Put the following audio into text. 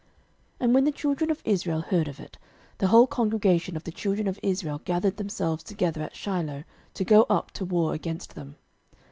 06:022:012 And when the children of Israel heard of it, the whole congregation of the children of Israel gathered themselves together at Shiloh, to go up to war against them.